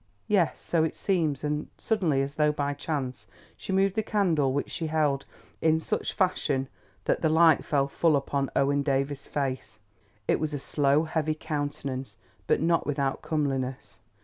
"Yes, so it seems," and suddenly, as though by chance, she moved the candle which she held, in such fashion that the light fell full upon Owen Davies' face. It was a slow heavy countenance, but not without comeliness.